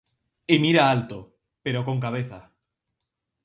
E mira alto, pero con cabeza.